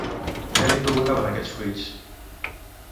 Què li provocaven aquests fruits?